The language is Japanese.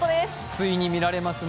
ついに見られますね。